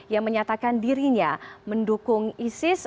yang menyatakan dirinya mendukung isis